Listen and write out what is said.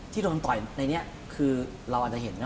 ที่โดนต่อยในนี้คือเราอาจจะเห็นนะ